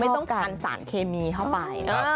ต้องการสารเคมีเข้าไป